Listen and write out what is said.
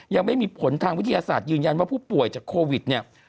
ยังไม่มีผลทางวิทยาศาสตร์ยืนยันว่าผู้ป่วยจากโควิดเนี่ย